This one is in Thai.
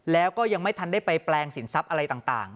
แล้วก็ยังไม่ทันได้ไปแปลงสินทรัพย์อะไรต่าง